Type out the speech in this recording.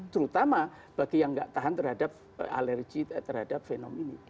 terutama bagi yang tidak tahan terhadap alergi terhadap fenom ini